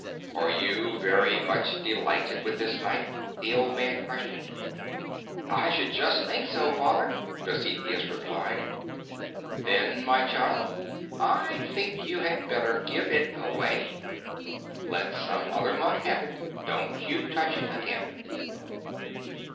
"Are you very much delighted with this knife?" the old man questioned. "I should just think so, Father," Dositheus replied. "Then, my child, I think you had better give it away. Let some other monk have it ; don't you touch it again."